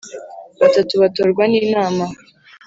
Batatu batorwa n inama